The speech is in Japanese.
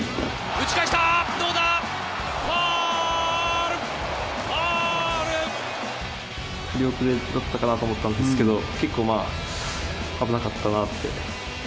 振り遅れだったかなと思ったんですけど、結構まあ、危なかったなって。